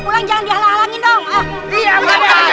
pulang jangan dihalangi dong